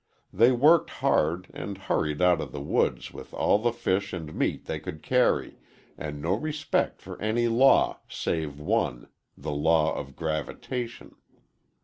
They worked hard, and hurried out of the woods with all the fish and meat they could carry, and no respect for any law save one the law of gravitation.